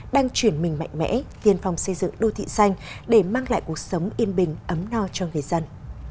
đang chuyển mình mạnh mẽ tiên phong xây dựng đô thị xanh để mang lại cuộc sống yên bình ấm no cho người dân